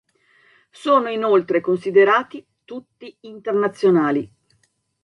Sono inoltre considerati tutti internazionali.